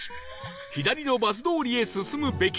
左のバス通りへ進むべきか？